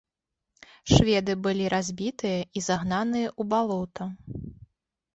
Шведы былі разбітыя і загнаныя ў балота.